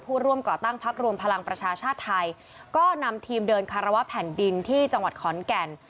ผู้ร่วมก่อตั้งพักรวมพลังประชาชาติไทยก็นำทีมเดินคารวะแผ่นดินที่จังหวัดขอนแก่น